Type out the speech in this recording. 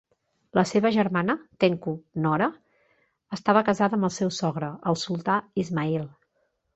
La seva germana, Tengku Nora, estava casada amb el seu sogre, el sultà Ismail.